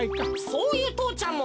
そういう父ちゃんも。